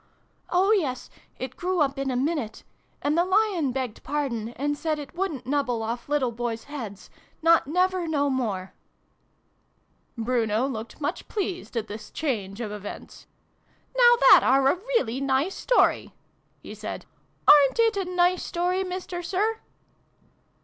" Oh yes, it grew up in a minute. And the Lion begged pardon, and said it wouldn't nubble off little boys' heads not never no more !" Bruno looked much pleased at this change of events. "Now that are a really nice story!" he said. " Arerit it a nice story, Mister Sir